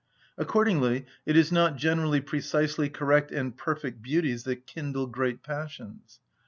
Accordingly it is not generally precisely correct and perfect beauties that kindle great passions.